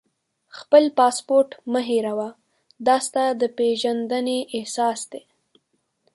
خپل پاسپورټ مه هېروه، دا ستا د پېژندنې اساس دی.